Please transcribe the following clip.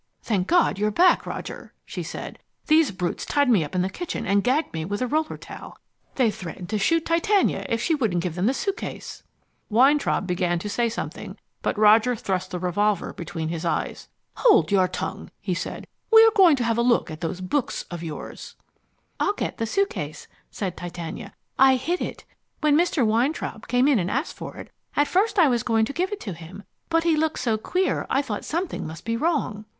"Thank God you're back, Roger," she said. "These brutes tied me up in the kitchen and gagged me with a roller towel. They threatened to shoot Titania if she wouldn't give them the suitcase." Weintraub began to say something, but Roger thrust the revolver between his eyes. "Hold your tongue!" he said. "We're going to have a look at those books of yours." "I'll get the suitcase," said Titania. "I hid it. When Mr. Weintraub came in and asked for it, at first I was going to give it to him, but he looked so queer I thought something must be wrong."